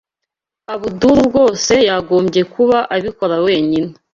Abdul rwose yagombye kuba abikora wenyine.